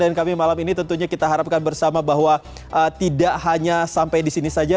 dan kami malam ini tentunya kita harapkan bersama bahwa tidak hanya sampai disini saja